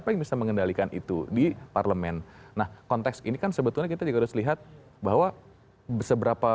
kita mengendalikan itu di parlemen nah konteks ini kan sebetulnya kita harus lihat bahwa seberapa